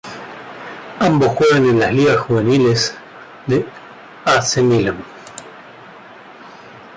Ambos juegan en la ligas juveniles del A. C. Milan.